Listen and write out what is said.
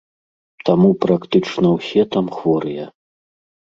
Таму практычна ўсе там хворыя.